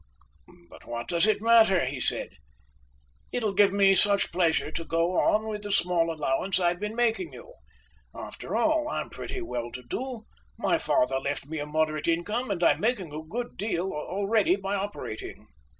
"But what does it matter?" he said. "It'll give me such pleasure to go on with the small allowance I've been making you. After all, I'm pretty well to do. My father left me a moderate income, and I'm making a good deal already by operating."